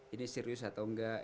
ini serius atau enggak